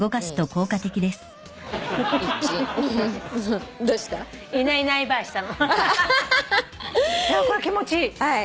これ気持ちいい。